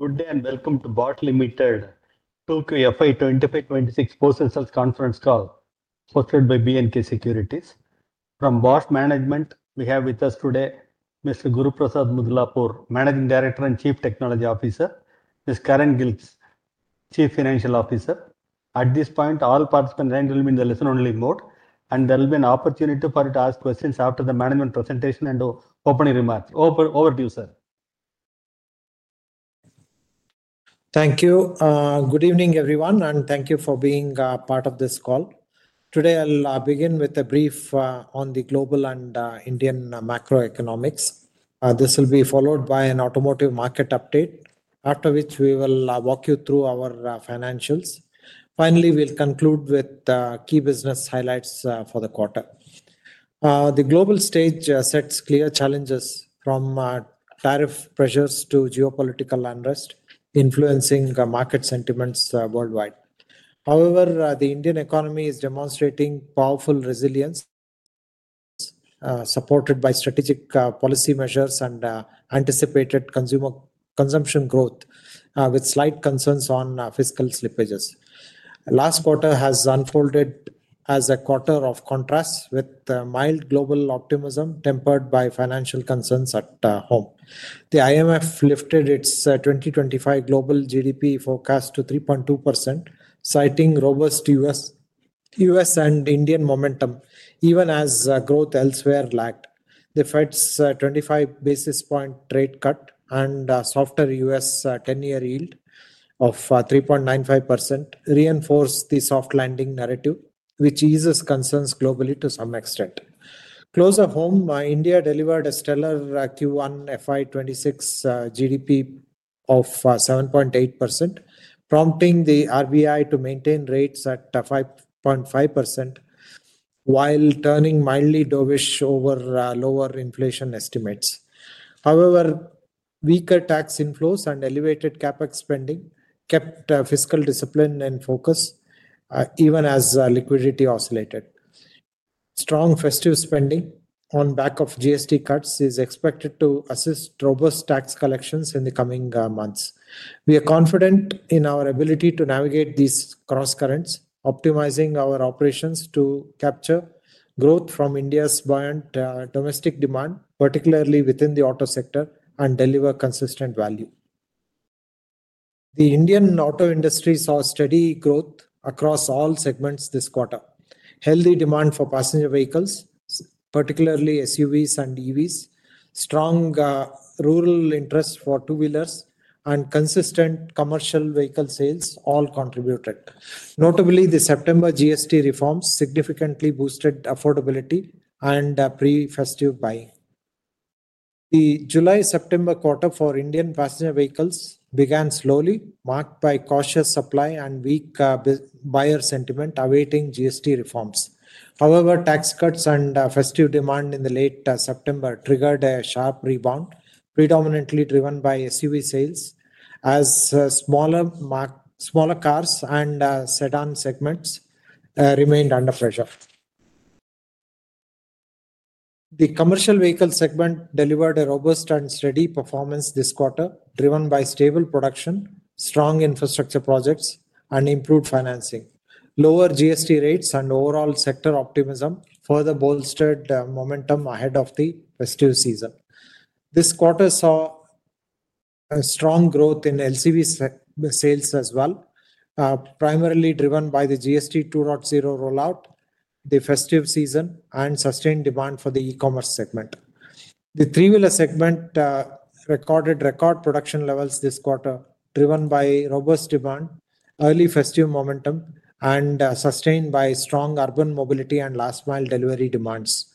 Good day and welcome to Bosch Limited, Tokyo FY 2526 Post and Sales Conference Call, hosted by BNK Securities. From Bosch Management, we have with us today Mr. Guruprasad Mudlapur, Managing Director and Chief Technology Officer, Ms. Karin Gilges, Chief Financial Officer. At this point, all participants will be in the listen-only mode, and there will be an opportunity for you to ask questions after the management presentation and opening remarks. Over to you, sir. Thank you. Good evening, everyone, and thank you for being part of this call. Today, I'll begin with a brief on the global and Indian macroeconomics. This will be followed by an automotive market update, after which we will walk you through our financials. Finally, we'll conclude with key business highlights for the quarter. The global stage sets clear challenges, from tariff pressures to geopolitical unrest, influencing market sentiments worldwide. However, the Indian economy is demonstrating powerful resilience, supported by strategic policy measures and anticipated consumption growth, with slight concerns on fiscal slippages. Last quarter has unfolded as a quarter of contrast, with mild global optimism tempered by financial concerns at home. The IMF lifted its 2025 global GDP forecast to 3.2%, citing robust U.S. and Indian momentum, even as growth elsewhere lagged. The Fed's 25 basis point rate cut and softer U.S. 10-year yield of 3.95% reinforced the soft landing narrative, which eases concerns globally to some extent. Close to home, India delivered a stellar Q1 FY 2026 GDP of 7.8%, prompting the RBI to maintain rates at 5.5% while turning mildly dovish over lower inflation estimates. However, weaker tax inflows and elevated CapEx spending kept fiscal discipline in focus, even as liquidity oscillated. Strong festive spending on the back of GST cuts is expected to assist robust tax collections in the coming months. We are confident in our ability to navigate these cross-currents, optimizing our operations to capture growth from India's buoyant domestic demand, particularly within the auto sector, and deliver consistent value. The Indian auto industry saw steady growth across all segments this quarter: healthy demand for passenger vehicles, particularly SUVs and EVs; strong rural interest for two-wheelers; and consistent commercial vehicle sales, all contributed. Notably, the September GST reforms significantly boosted affordability and pre-festive buying. The July-September quarter for Indian passenger vehicles began slowly, marked by cautious supply and weak buyer sentiment awaiting GST reforms. However, tax cuts and festive demand in late September triggered a sharp rebound, predominantly driven by SUV sales, as smaller cars and sedan segments remained under pressure. The commercial vehicle segment delivered a robust and steady performance this quarter, driven by stable production, strong infrastructure projects, and improved financing. Lower GST rates and overall sector optimism further bolstered momentum ahead of the festive season. This quarter saw strong growth in LCV sales as well, primarily driven by the GST 2.0 rollout, the festive season, and sustained demand for the e-commerce segment. The three-wheeler segment recorded record production levels this quarter, driven by robust demand, early festive momentum, and sustained by strong urban mobility and last-mile delivery demands.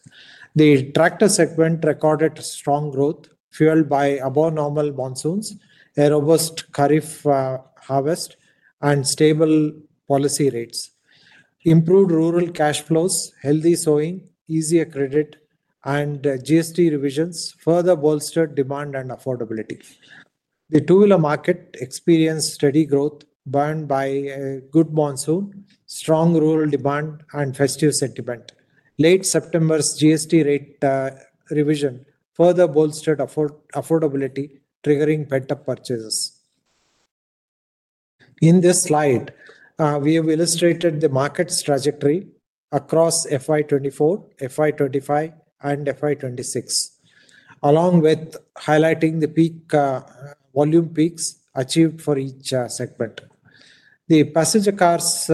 The tractor segment recorded strong growth, fueled by above-normal monsoons, a robust Kharif harvest, and stable policy rates. Improved rural cash flows, healthy sowing, easier credit, and GST revisions further bolstered demand and affordability. The two-wheeler market experienced steady growth, borne by a good monsoon, strong rural demand, and festive sentiment. Late September's GST rate revision further bolstered affordability, triggering pent-up purchases. In this slide, we have illustrated the market's trajectory across FY 2024, FY 2025, and FY 2026, along with highlighting the volume peaks achieved for each segment. The passenger cars'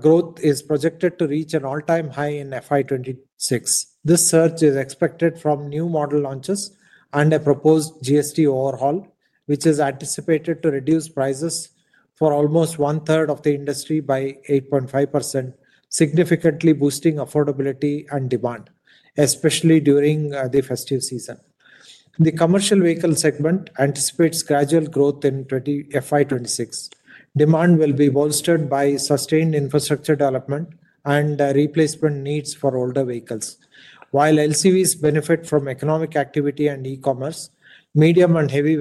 growth is projected to reach an all-time high in FY 2026. This surge is expected from new model launches and a proposed GST overhaul, which is anticipated to reduce prices for almost one-third of the industry by 8.5%, significantly boosting affordability and demand, especially during the festive season. The commercial vehicle segment anticipates gradual growth in FY 2026. Demand will be bolstered by sustained infrastructure development and replacement needs for older vehicles. While LCVs benefit from economic activity and e-commerce, medium and heavy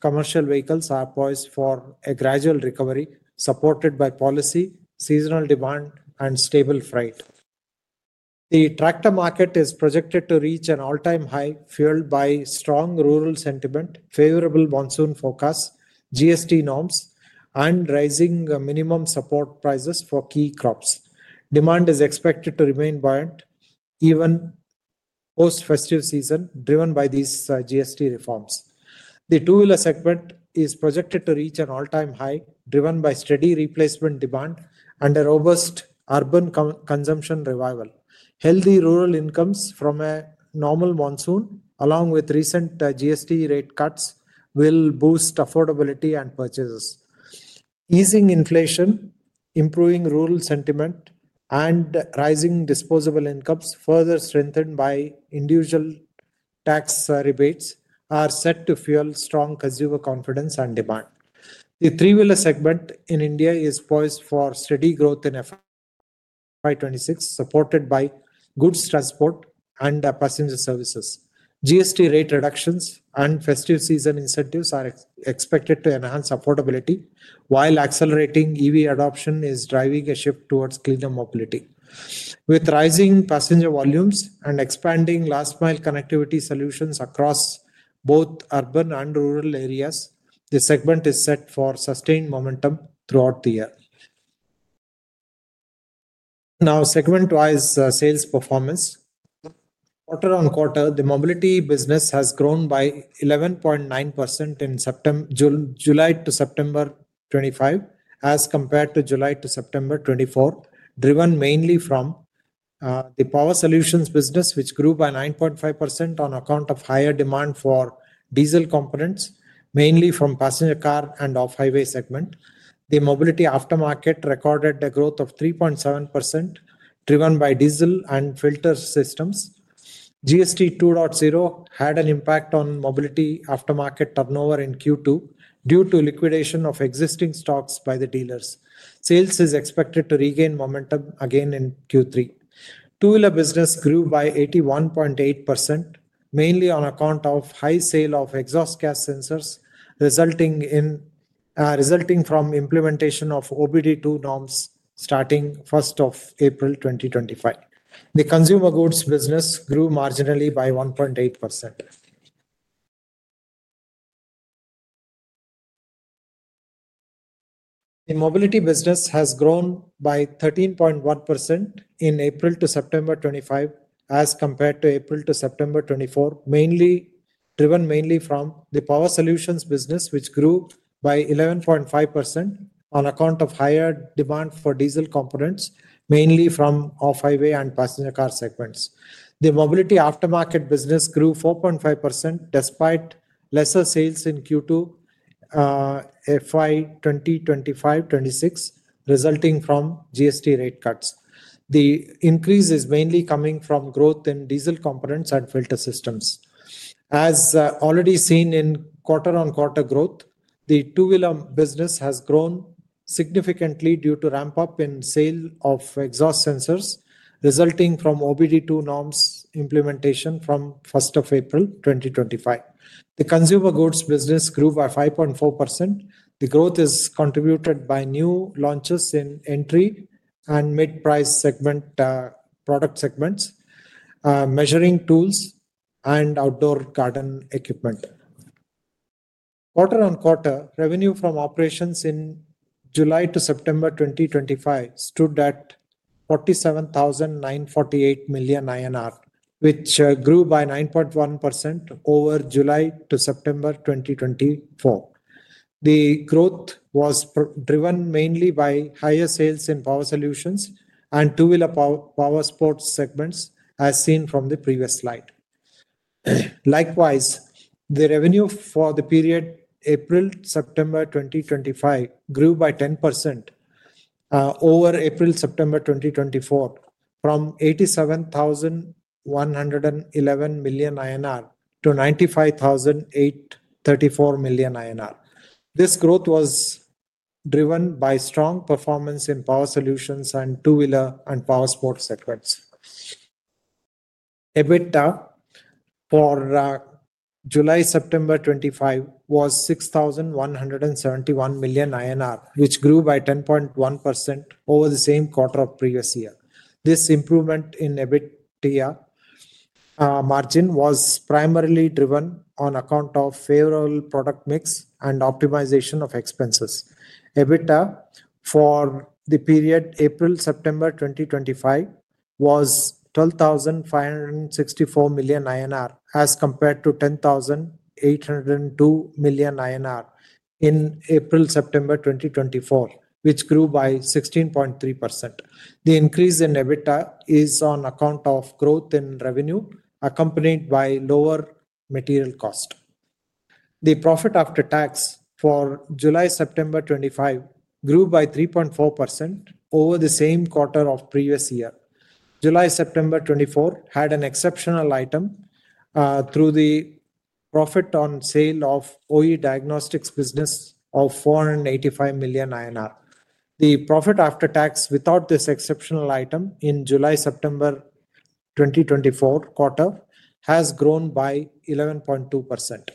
commercial vehicles are poised for a gradual recovery, supported by policy, seasonal demand, and stable freight. The tractor market is projected to reach an all-time high, fueled by strong rural sentiment, favorable monsoon forecasts, GST norms, and rising minimum support prices for key crops. Demand is expected to remain buoyant even post-festive season, driven by these GST reforms. The two-wheeler segment is projected to reach an all-time high, driven by steady replacement demand and a robust urban consumption revival. Healthy rural incomes from a normal monsoon, along with recent GST rate cuts, will boost affordability and purchases. Easing inflation, improving rural sentiment, and rising disposable incomes, further strengthened by individual tax rebates, are set to fuel strong consumer confidence and demand. The three-wheeler segment in India is poised for steady growth in FY 2026, supported by goods transport and passenger services. GST rate reductions and festive season incentives are expected to enhance affordability, while accelerating EV adoption is driving a shift towards cleaner mobility. With rising passenger volumes and expanding last-mile connectivity solutions across both urban and rural areas, the segment is set for sustained momentum throughout the year. Now, segment-wise sales performance. Quarter on quarter, the mobility business has grown by 11.9% in July to September 2025, as compared to July to September 2024, driven mainly from the power solutions business, which grew by 9.5% on account of higher demand for diesel components, mainly from passenger car and off-highway segment. The mobility aftermarket recorded a growth of 3.7%, driven by diesel and filter systems. GST 2.0 had an impact on mobility aftermarket turnover in Q2 due to liquidation of existing stocks by the dealers. Sales is expected to regain momentum again in Q3. Two-wheeler business grew by 81.8%, mainly on account of high sale of exhaust gas sensors, resulting from implementation of OBD2 norms starting 1 April 2025. The consumer goods business grew marginally by 1.8%. The mobility business has grown by 13.1% in April to September 2025, as compared to April to September 2024, driven mainly from the power solutions business, which grew by 11.5% on account of higher demand for diesel components, mainly from off-highway and passenger car segments. The mobility aftermarket business grew 4.5% despite lesser sales in Q2 FY 2025-2026, resulting from GST rate cuts. The increase is mainly coming from growth in diesel components and filter systems. As already seen in quarter-on-quarter growth, the two-wheeler business has grown significantly due to ramp-up in sale of exhaust gas sensors, resulting from OBD2 norms implementation from 1 April 2025. The consumer goods business grew by 5.4%. The growth is contributed by new launches in entry and mid-price product segments, measuring tools and outdoor garden equipment. Quarter on quarter, revenue from operations in July to September 2025 stood at 47,948 million INR, which grew by 9.1% over July to September 2024. The growth was driven mainly by higher sales in power solutions and two-wheeler power sports segments, as seen from the previous slide. Likewise, the revenue for the period April-September 2025 grew by 10% over April-September 2024, from 87,111 million INR to 95,834 million INR. This growth was driven by strong performance in power solutions and two-wheeler and power sports segments. EBITDA for July-September 2025 was 6,171 million INR, which grew by 10.1% over the same quarter of previous year. This improvement in EBITDA margin was primarily driven on account of favorable product mix and optimization of expenses. EBITDA for the period April-September 2025 was 12,564 million INR, as compared to 10,802 million INR in April-September 2024, which grew by 16.3%. The increase in EBITDA is on account of growth in revenue, accompanied by lower material cost. The profit after tax for July-September 2025 grew by 3.4% over the same quarter of previous year. July-September 2024 had an exceptional item through the profit on sale of OE diagnostics business of 485 million INR. The profit after tax without this exceptional item in July-September 2024 quarter has grown by 11.2%.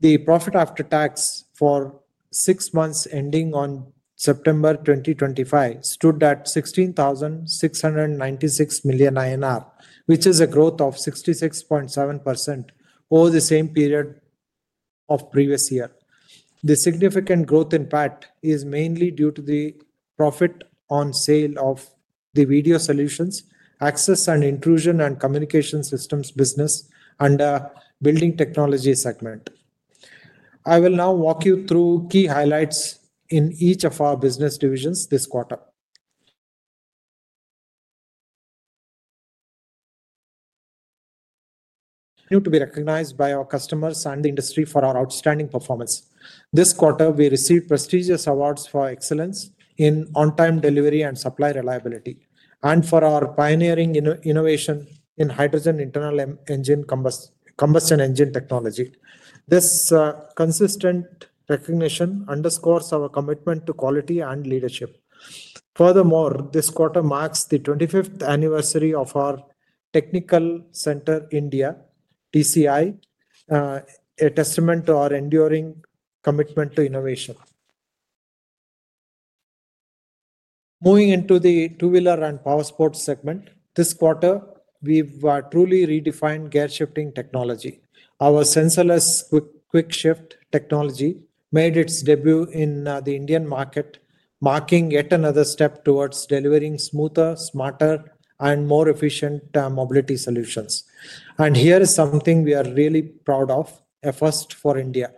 The profit after tax for six months ending on September 2025 stood at 16,696 million INR, which is a growth of 66.7% over the same period of previous year. The significant growth impact is mainly due to the profit on sale of the video solutions, access and intrusion and communication systems business under building technology segment. I will now walk you through key highlights in each of our business divisions this quarter. We are to be recognized by our customers and the industry for our outstanding performance. This quarter, we received prestigious awards for excellence in on-time delivery and supply reliability, and for our pioneering innovation in hydrogen internal combustion engine technology. This consistent recognition underscores our commitment to quality and leadership. Furthermore, this quarter marks the 25th anniversary of our Technical Center India, TCI, a testament to our enduring commitment to innovation. Moving into the two-wheeler and power sports segment, this quarter, we've truly redefined gear-shifting technology. Our sensorless quick-shift technology made its debut in the Indian market, marking yet another step towards delivering smoother, smarter, and more efficient mobility solutions. Here is something we are really proud of: a first for India.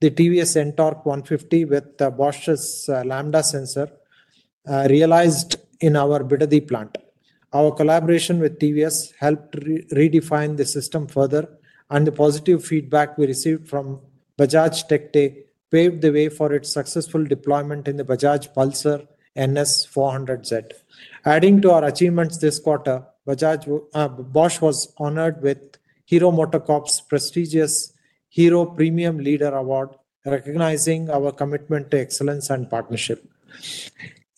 The TVS Ntorq 150 with the Bosch Lambda sensor realized in our Bidadi plant. Our collaboration with TVS helped redefine the system further, and the positive feedback we received from Bajaj Tech Day paved the way for its successful deployment in the Bajaj Pulsar NS400Z. Adding to our achievements this quarter, Bosch was honored with Hero MotoCorp's prestigious Hero Premium Leader Award, recognizing our commitment to excellence and partnership.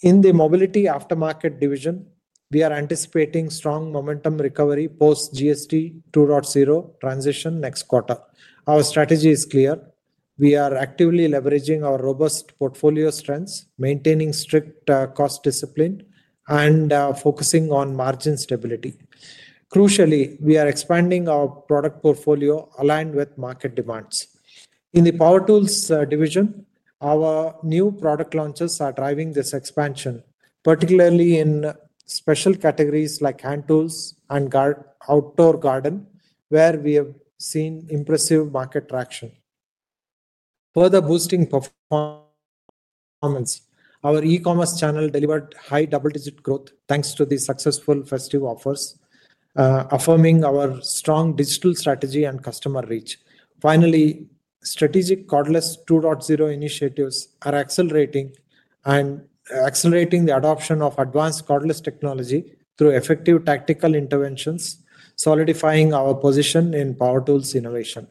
In the mobility aftermarket division, we are anticipating strong momentum recovery post-GST 2.0 transition next quarter. Our strategy is clear. We are actively leveraging our robust portfolio strengths, maintaining strict cost discipline, and focusing on margin stability. Crucially, we are expanding our product portfolio aligned with market demands. In the power tools division, our new product launches are driving this expansion, particularly in special categories like hand tools and outdoor garden, where we have seen impressive market traction. Further boosting performance, our e-commerce channel delivered high double-digit growth thanks to the successful festive offers, affirming our strong digital strategy and customer reach. Finally, strategic cordless 2.0 initiatives are accelerating the adoption of advanced cordless technology through effective tactical interventions, solidifying our position in power tools innovation.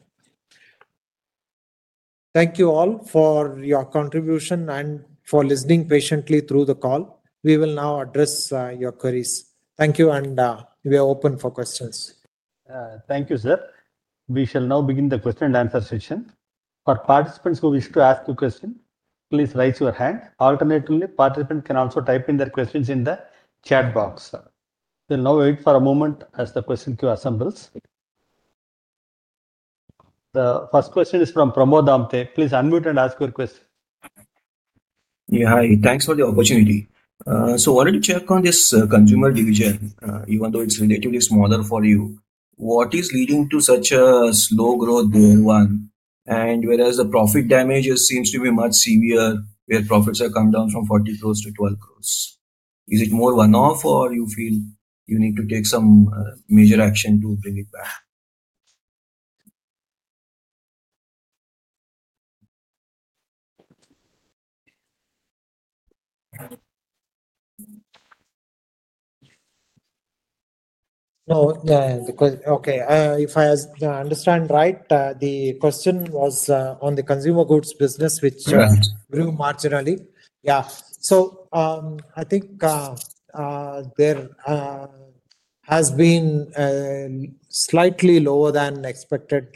Thank you all for your contribution and for listening patiently through the call. We will now address your queries. Thank you, and we are open for questions. Thank you, sir. We shall now begin the question and answer session. For participants who wish to ask a question, please raise your hand. Alternatively, participants can also type in their questions in the chat box. We'll now wait for a moment as the question queue assembles. The first question is from Pramod Amte. Please unmute and ask your question. Yeah, hi. Thanks for the opportunity. I wanted to check on this consumer division, even though it's relatively smaller for you. What is leading to such a slow growth there? Whereas the profit damage seems to be much severer, where profits have come down from 40 crore to 12 crore, is it more one-off or do you feel you need to take some major action to bring it back? No, okay. If I understand right, the question was on the consumer goods business, which grew marginally. Yeah. I think there has been slightly lower than expected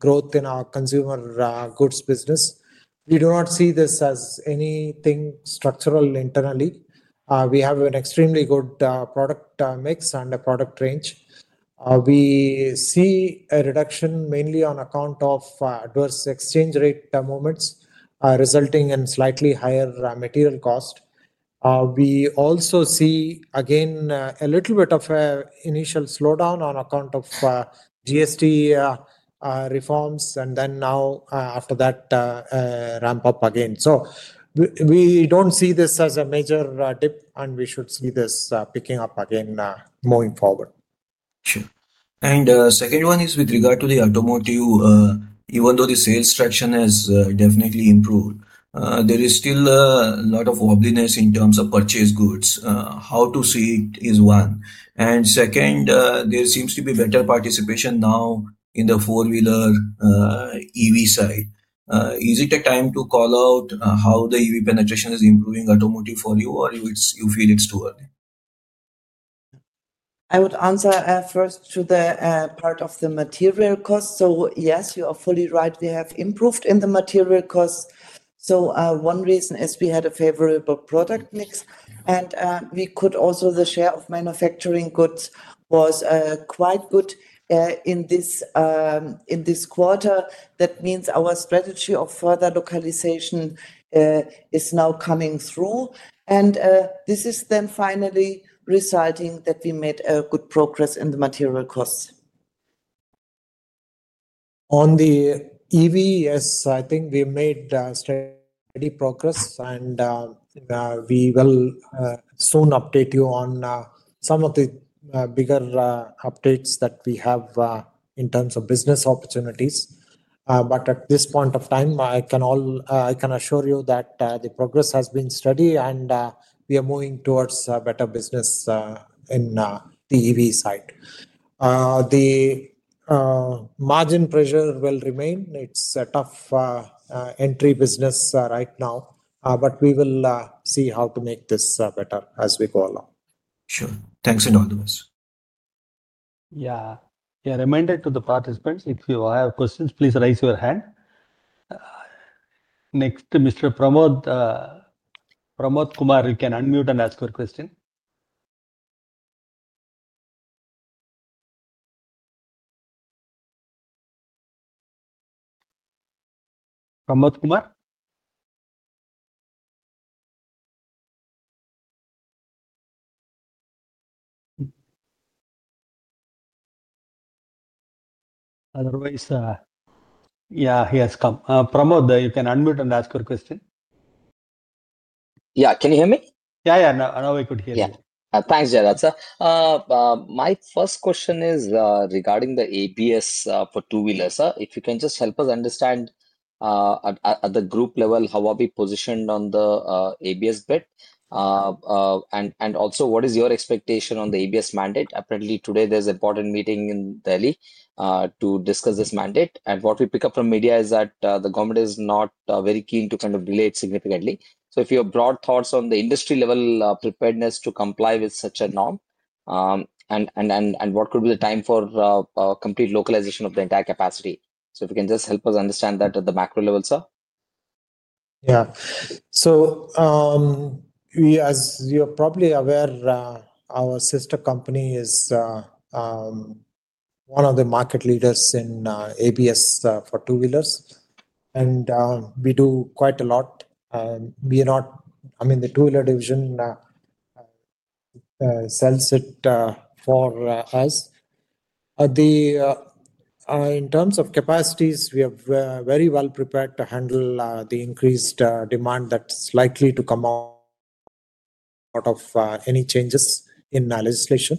growth in our consumer goods business. We do not see this as anything structural internally. We have an extremely good product mix and a product range. We see a reduction mainly on account of adverse exchange rate movements, resulting in slightly higher material cost. We also see, again, a little bit of an initial slowdown on account of GST reforms, and now, after that, ramp-up again. We do not see this as a major dip, and we should see this picking up again moving forward. Sure. The second one is with regard to the automotive, even though the sales traction has definitely improved, there is still a lot of wobbliness in terms of purchase goods. How to see it is one. Second, there seems to be better participation now in the four-wheeler EV side. Is it a time to call out how the EV penetration is improving automotive for you, or you feel it is too early? I would answer first to the part of the material cost. Yes, you are fully right. We have improved in the material cost. One reason is we had a favorable product mix, and the share of manufacturing goods was quite good in this quarter. That means our strategy of further localization is now coming through. This is then finally resulting in good progress in the material costs. On the EV, yes, I think we made steady progress, and we will soon update you on some of the bigger updates that we have in terms of business opportunities. At this point of time, I can assure you that the progress has been steady, and we are moving towards better business on the EV side. The margin pressure will remain. It is a tough entry business right now, but we will see how to make this better as we go along. Sure. Thanks in all the ways. Yeah. Yeah. Reminder to the participants, if you have questions, please raise your hand. Next, Mr. Pramod Kumar, you can unmute and ask your question. Pramod Kumar? Otherwise, yeah, he has come. Pramod, you can unmute and ask your question. Yeah. Can you hear me? Yeah, yeah. Now we could hear you. Yeah. Thanks, Guruprasasd. My first question is regarding the ABS for two-wheelers. If you can just help us understand at the group level how are we positioned on the ABS bit, and also what is your expectation on the ABS mandate? Apparently, today there is an important meeting in Delhi to discuss this mandate. And what we pick up from media is that the government is not very keen to kind of delay it significantly. If you have broad thoughts on the industry-level preparedness to comply with such a norm, and what could be the time for complete localization of the entire capacity, if you can just help us understand that at the macro level, sir. Yeah. As you're probably aware, our sister company is one of the market leaders in ABS for two-wheelers, and we do quite a lot. I mean, the two-wheeler division sells it for us. In terms of capacities, we are very well prepared to handle the increased demand that's likely to come out of any changes in legislation.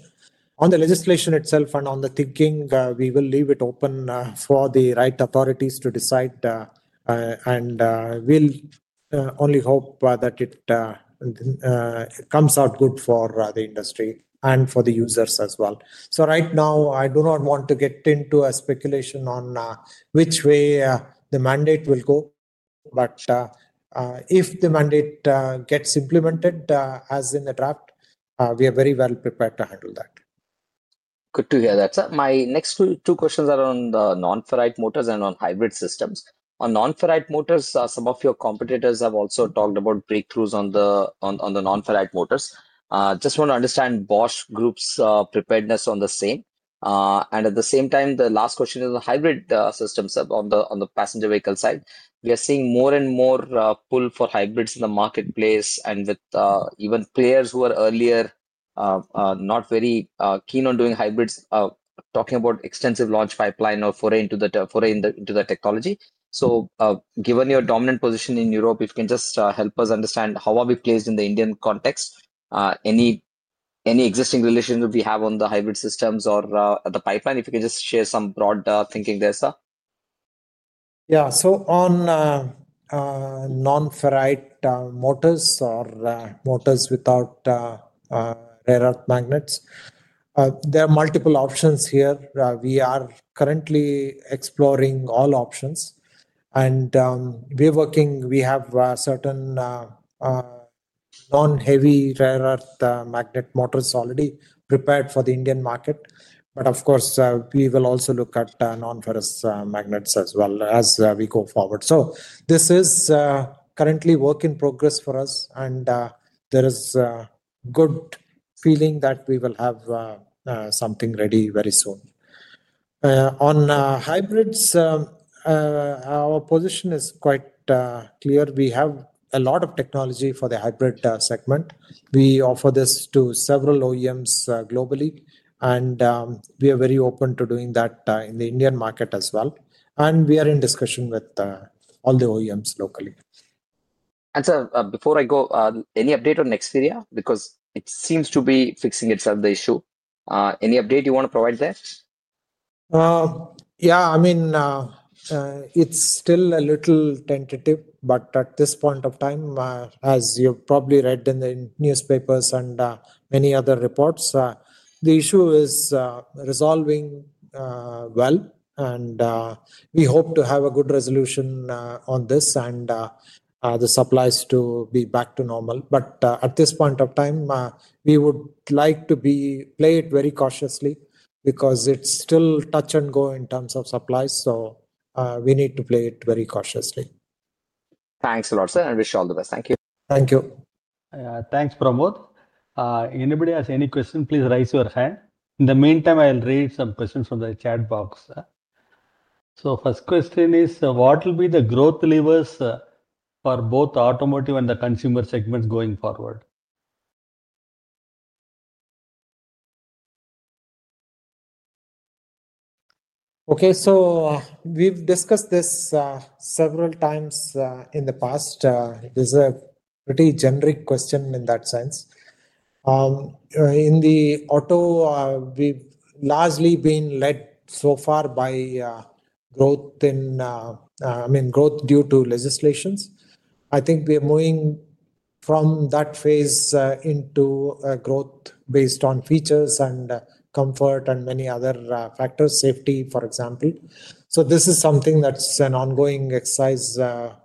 On the legislation itself and on the thinking, we will leave it open for the right authorities to decide, and we'll only hope that it comes out good for the industry and for the users as well. Right now, I do not want to get into a speculation on which way the mandate will go. If the mandate gets implemented as in the draft, we are very well prepared to handle that. Good to hear that, sir. My next two questions are on the rare earth-free motors and on hybrid systems. On rare earth-free motors, some of your competitors have also talked about breakthroughs on the rare earth-free motors. Just want to understand Bosch Group's preparedness on the same. At the same time, the last question is on hybrid systems on the passenger vehicle side. We are seeing more and more pull for hybrids in the marketplace, and with even players who were earlier not very keen on doing hybrids, talking about extensive launch pipeline or foray into the technology. Given your dominant position in Europe, if you can just help us understand how are we placed in the Indian context, any existing relationship we have on the hybrid systems or the pipeline, if you can just share some broad thinking there, sir. Yeah. On non-Farad motors or motors without rare earth magnets, there are multiple options here. We are currently exploring all options, and we have certain non-heavy rare earth magnet motors already prepared for the Indian market. Of course, we will also look at non-farad magnets as well as we go forward. This is currently work in progress for us, and there is a good feeling that we will have something ready very soon. On hybrids, our position is quite clear. We have a lot of technology for the hybrid segment. We offer this to several OEMs globally, and we are very open to doing that in the Indian market as well. We are in discussion with all the OEMs locally. Sir, before I go, any update on Nexteer? Because it seems to be fixing itself, the issue. Any update you want to provide there? Yeah. I mean, it's still a little tentative, but at this point of time, as you've probably read in the newspapers and many other reports, the issue is resolving well, and we hope to have a good resolution on this and the supplies to be back to normal. At this point of time, we would like to play it very cautiously because it's still touch and go in terms of supplies. We need to play it very cautiously. Thanks a lot, sir. I wish you all the best. Thank you. Thank you. Thanks, Pramod. Anybody has any question, please raise your hand. In the meantime, I'll read some questions from the chat box. The first question is, what will be the growth levers for both automotive and the consumer segments going forward? Okay. We've discussed this several times in the past. It is a pretty generic question in that sense. In the auto, we've largely been led so far by growth in, I mean, growth due to legislations. I think we are moving from that phase into growth based on features and comfort and many other factors, safety, for example. This is something that's an ongoing exercise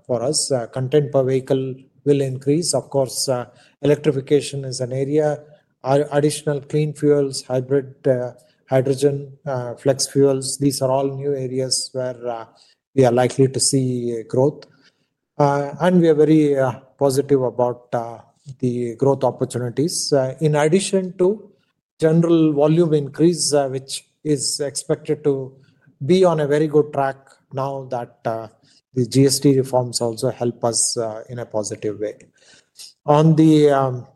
for us. Content per vehicle will increase. Of course, electrification is an area. Additional clean fuels, hybrid hydrogen, flex fuels, these are all new areas where we are likely to see growth. We are very positive about the growth opportunities. In addition to general volume increase, which is expected to be on a very good track now that the GST reforms also help us in a positive way. On the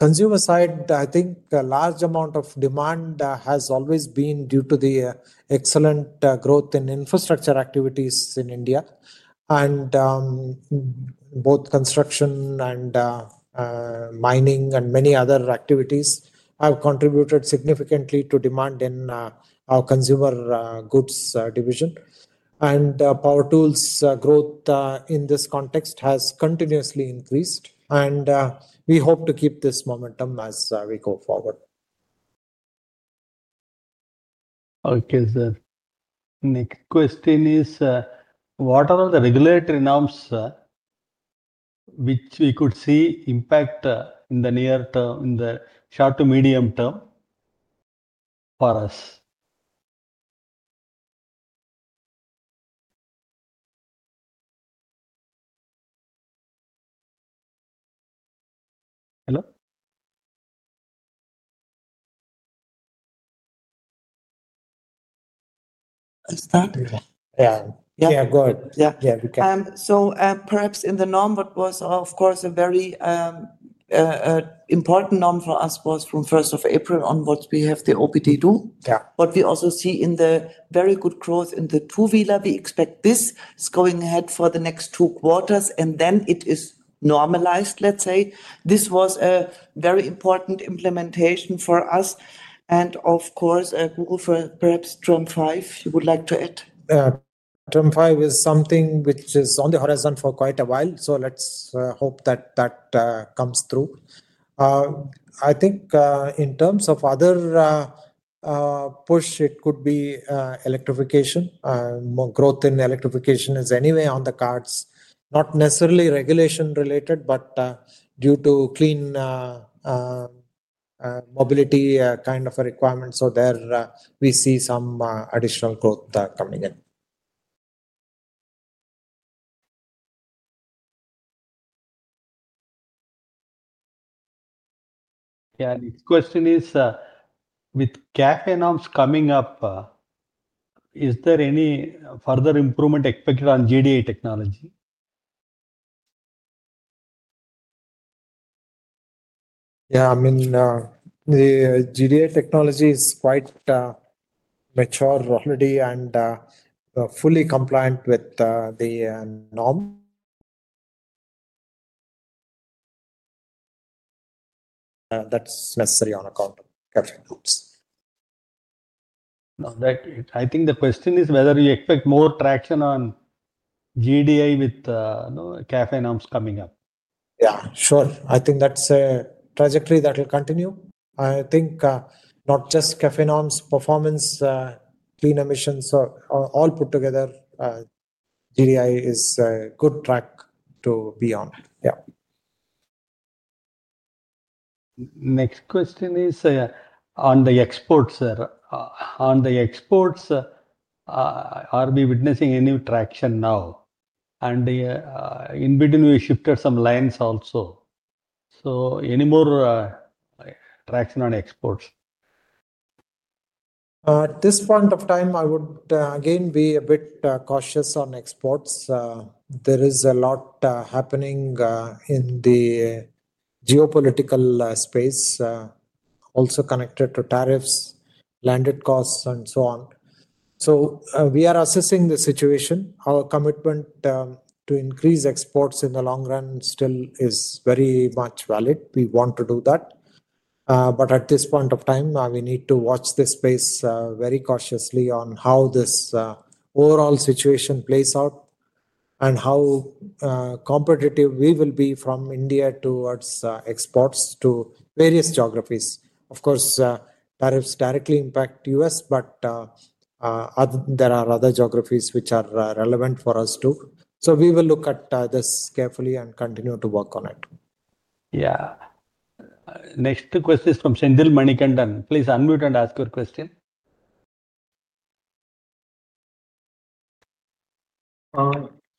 consumer side, I think a large amount of demand has always been due to the excellent growth in infrastructure activities in India. Both construction and mining and many other activities have contributed significantly to demand in our consumer goods division. Power tools growth in this context has continuously increased, and we hope to keep this momentum as we go forward. Okay, sir. Next question is, what are the regulatory norms which we could see impact in the near term, in the short to medium term for us? Hello? Yeah, yeah, go ahead. Yeah, yeah, we can. Perhaps in the norm, what was, of course, a very important norm for us was from 1st of April on what we have the OBD2. What we also see in the very good growth in the two-wheeler, we expect this is going ahead for the next two quarters, and then it is normalized, let's say. This was a very important implementation for us. Of course, Guru, perhaps term five, you would like to add? Term five is something which is on the horizon for quite a while. Let's hope that that comes through. I think in terms of other push, it could be electrification. More growth in electrification is anyway on the cards. Not necessarily regulation-related, but due to clean mobility kind of a requirement. There we see some additional growth coming in. Yeah. Next question is, with CAFE norms coming up, is there any further improvement expected on GDI technology? Yeah. I mean, the GDI technology is quite mature already and fully compliant with the norm. That's necessary on account of CAFE norms. I think the question is whether you expect more traction on GDI with CAFE norms coming up. Yeah, sure. I think that's a trajectory that will continue. I think not just CAFE norms, performance, clean emissions, all put together, GDI is a good track to be on. Yeah. Next question is on the exports, sir. On the exports, are we witnessing any traction now? And in between, we shifted some lines also. So any more traction on exports? At this point of time, I would again be a bit cautious on exports. There is a lot happening in the geopolitical space, also connected to tariffs, landed costs, and so on. We are assessing the situation. Our commitment to increase exports in the long run still is very much valid. We want to do that. At this point of time, we need to watch this space very cautiously on how this overall situation plays out and how competitive we will be from India towards exports to various geographies. Of course, tariffs directly impact the U.S., but there are other geographies which are relevant for us too. We will look at this carefully and continue to work on it. Yeah. Next question is from Sendil Manikandan. Please unmute and ask your question.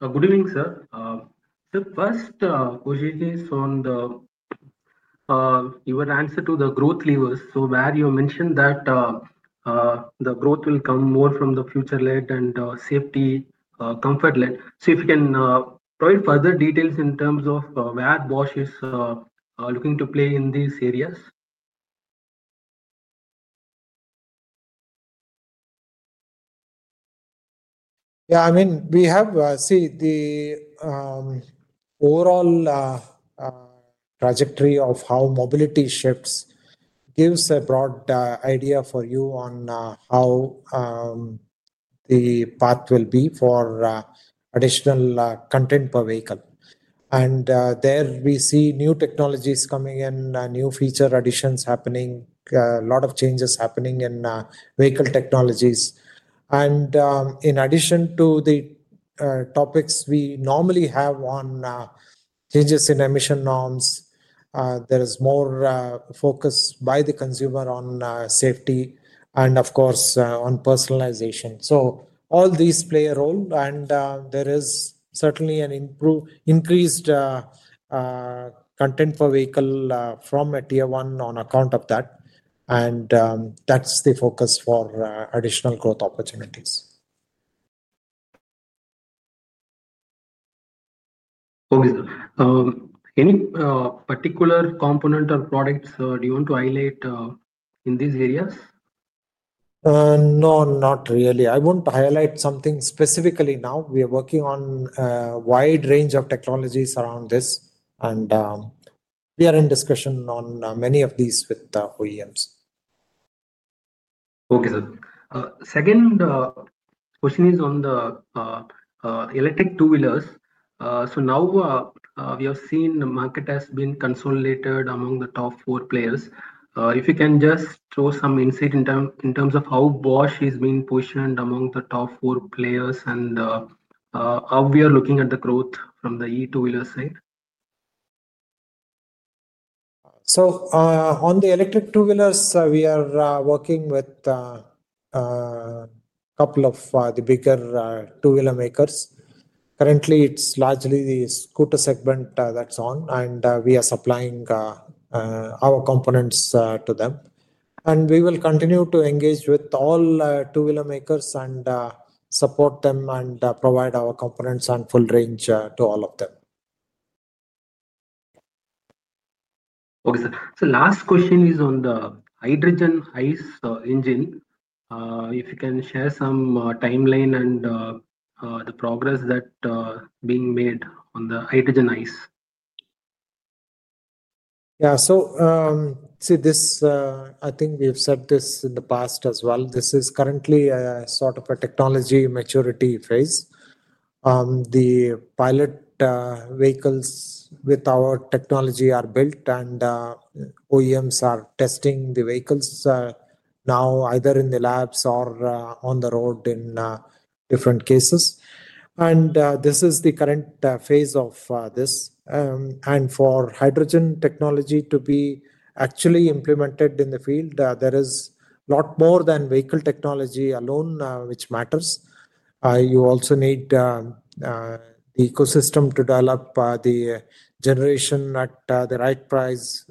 Good evening, sir. The first question is on your answer to the growth levers. Where you mentioned that the growth will come more from the future-led and safety-comfort-led. If you can provide further details in terms of where Bosch is looking to play in these areas. Yeah. I mean, we have seen the overall trajectory of how mobility shifts gives a broad idea for you on how the path will be for additional content per vehicle. There we see new technologies coming in, new feature additions happening, a lot of changes happening in vehicle technologies. In addition to the topics we normally have on changes in emission norms, there is more focus by the consumer on safety and, of course, on personalization. All these play a role, and there is certainly an increased content per vehicle from a tier one on account of that. That is the focus for additional growth opportunities. Okay. Any particular component or products do you want to highlight in these areas?. No, not really. I won't highlight something specifically now. We are working on a wide range of technologies around this, and we are in discussion on many of these with OEMs. Okay, sir. Second question is on the electric two-wheelers. Now we have seen the market has been consolidated among the top four players. If you can just throw some insight in terms of how Bosch is being positioned among the top four players and how we are looking at the growth from the e-two-wheeler side. On the electric two-wheelers, we are working with a couple of the bigger two-wheeler makers. Currently, it is largely the scooter segment that is on, and we are supplying our components to them. We will continue to engage with all two-wheeler makers and support them and provide our components and full range to all of them. Okay, sir. Last question is on the hydrogen ICE engine. If you can share some timeline and the progress that is being made on the hydrogen ICE. Yeah. I think we've said this in the past as well. This is currently a sort of a technology maturity phase. The pilot vehicles with our technology are built, and OEMs are testing the vehicles now either in the labs or on the road in different cases. This is the current phase of this. For hydrogen technology to be actually implemented in the field, there is a lot more than vehicle technology alone, which matters. You also need the ecosystem to develop the generation at the right price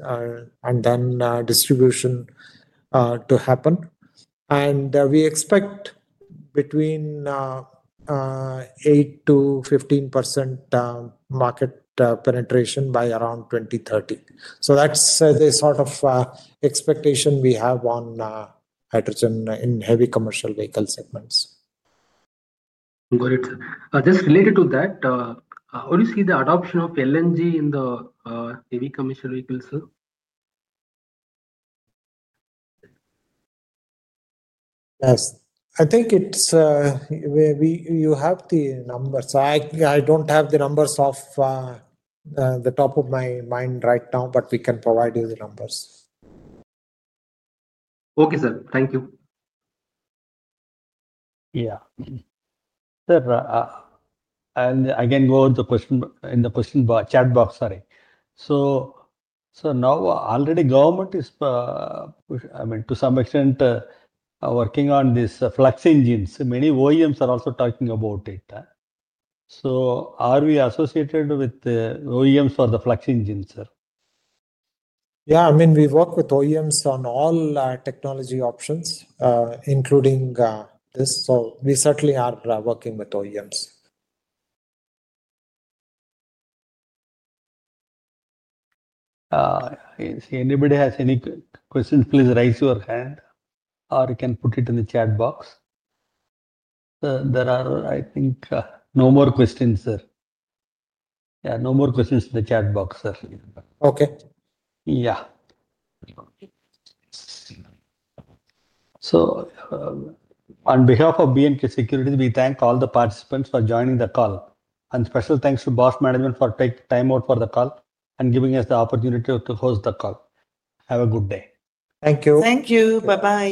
and then distribution to happen. We expect between 8%-15% market penetration by around 2030. That's the sort of expectation we have on hydrogen in heavy commercial vehicle segments. Got it. Just related to that, what do you see the adoption of LNG in the heavy commercial vehicles, sir? Yes. I think you have the numbers. I do not have the numbers off the top of my mind right now, but we can provide you the numbers. Okay, sir. Thank you. Yeah. Sir, and again, going to the question chat box, sorry. Now already government is, I mean, to some extent, working on these flex engines. Many OEMs are also talking about it. Are we associated with OEMs for the flex engines, sir? Yeah. I mean, we work with OEMs on all technology options, including this. We certainly are working with OEMs. If anybody has any questions, please raise your hand or you can put it in the chat box. There are, I think, no more questions, sir. Yeah, no more questions in the chat box, sir. Okay. Yeah. So on behalf of B&K Securities, we thank all the participants for joining the call. And special thanks to Bosch Management for taking time out for the call and giving us the opportunity to host the call. Have a good day. Thank you. Thank you. Bye-bye.